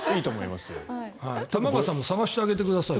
玉川さんも探してあげてくださいよ。